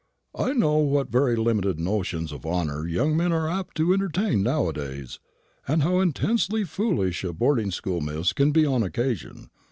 I know what very limited notions of honour young men are apt to entertain nowadays, and how intensely foolish a boarding school miss can be on occasion.